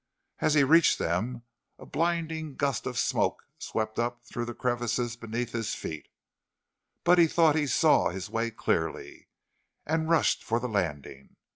As he reached them, a blinding gust of smoke swept up through the crevices beneath his feet, but he thought he saw his way clearly, and rushed for the landing.